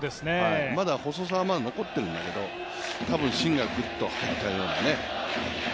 まだ細さはまだ残っているんだけど、芯がグッと入ったようなね。